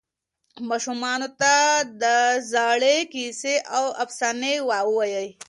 ماشومانو ته د زړې کیسې او افسانې ووایئ.